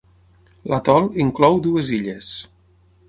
L'atol inclou dues illes.